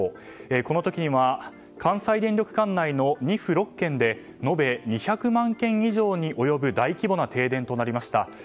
この時は関西電力管内２府６県で延べ２００万軒以上に及ぶ大規模な停電となりました。